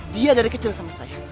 dia dari kecil sama saya